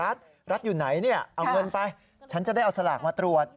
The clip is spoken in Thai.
เอาเงินไปฉันจะได้เอาสลากมาตรวจ